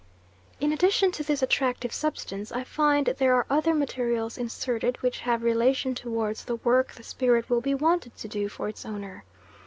In addition to this attractive substance I find there are other materials inserted which have relation towards the work the spirit will be wanted to do for its owner.